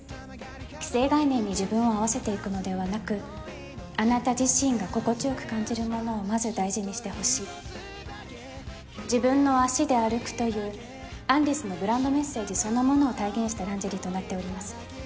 既成概念に自分を合わせていくのではなくあなた自身が心地よく感じるものをまず大事にしてほしい自分の足で歩くというアン・リスのブランドメッセージそのものを体現したランジェリーとなっております